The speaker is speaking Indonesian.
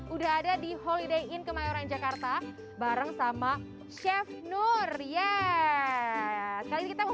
udah ada di holiday inn kemayoran jakarta bareng sama chef nur ya sekali kita mau